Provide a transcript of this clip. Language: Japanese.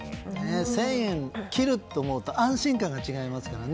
１０００円を切ると思うと安心感が違いますからね。